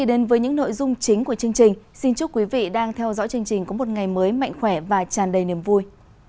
đến với những nội dung chính của chương trình xin chúc quý vị đang theo dõi chương trình có một ngày mới mạnh khỏe và tràn đầy niềm vui